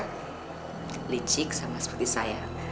kamu cantik sama seperti saya